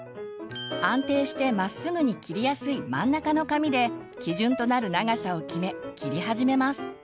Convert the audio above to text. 安定してまっすぐに切りやすい真ん中の髪で基準となる長さを決め切り始めます。